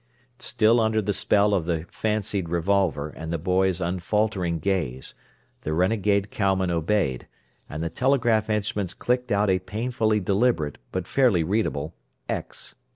Still under the spell of the fancied revolver and the boy's unfaltering gaze, the renegade cowman obeyed, and the telegraph instruments clicked out a painfully deliberate, but fairly readable "X."